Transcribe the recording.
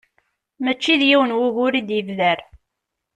Mačči d yiwen wugur i d-yebder.